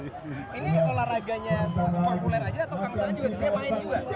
ini olahraganya populer aja atau kang saan juga sebenarnya main juga